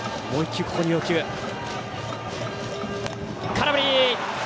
空振り！